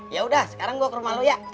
yaudah sekarang gua ke rumah lu ya